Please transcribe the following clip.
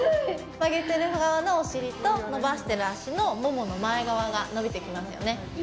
曲げてる方のお尻と伸ばしてる足のももの前側が伸びてきますよね